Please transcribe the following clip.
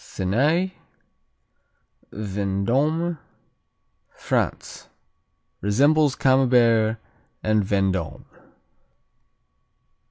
Thenay Vendôme, France Resembles Camembert and Vendôme.